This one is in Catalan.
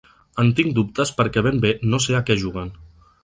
En tinc dubtes perquè ben bé no sé a què juguen.